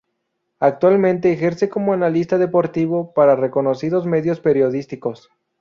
Actualmente ejerce como analista deportivo para reconocidos medios periodísticos.